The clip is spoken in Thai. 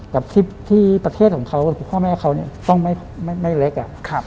กับคลิปที่ประเทศของเขาคือพ่อแม่เขาเนี่ยต้องไม่เล็ก